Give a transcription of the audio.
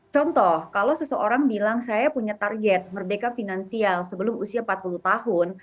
contoh kalau seseorang bilang saya punya target merdeka finansial sebelum usia empat puluh tahun